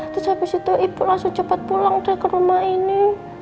habis itu ibu langsung cepet pulang deh ke rumah ini